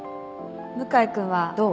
向井君はどう？